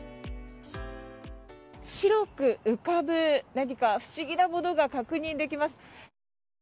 白く浮かぶ、何か不思議なものが確認できます。